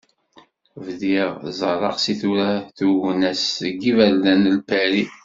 Bdiɣ ẓerreɣ si tura tugna-s deg yiberdan n Lpari.